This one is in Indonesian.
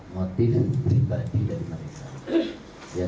motif pribadi dari mereka